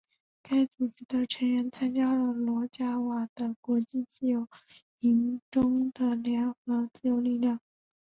该组织的成员参加了罗贾瓦的国际自由营中的联合自由力量。